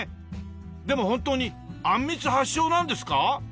でも本当にあんみつ発祥なんですか？